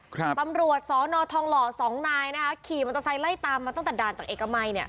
ครับตำรวจสอนอทองหล่อสองนายนะคะขี่มอเตอร์ไซค์ไล่ตามมาตั้งแต่ด่านจากเอกมัยเนี่ย